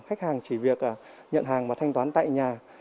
khách hàng chỉ việc nhận hàng và thanh toán tại nhà